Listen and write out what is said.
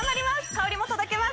香りも届けます